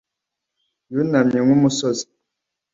Yunamye nkumusozi